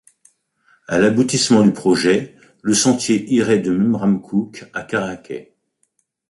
À l'aboutissement du projet, le sentier irait de Memramcook à Caraquet.